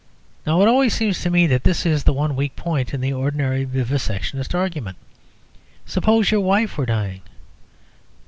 Now, it always seems to me that this is the weak point in the ordinary vivisectionist argument, "Suppose your wife were dying."